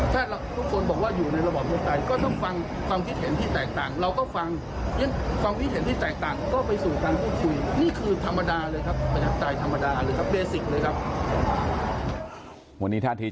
ถ้าทุกคนบอกว่าอยู่ในระบอบประชาธิปไตยก็ต้องฟังความคิดเห็นที่แตกต่าง